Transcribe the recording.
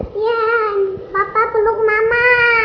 papa peluk mama